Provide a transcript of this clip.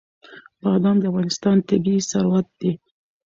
بادام د افغانستان طبعي ثروت دی.